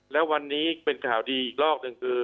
แล้ววันนี้เป็นข่าวดีอีกรอบหนึ่งคือ